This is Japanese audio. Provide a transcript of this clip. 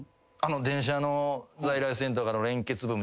電車の在来線とかの連結部分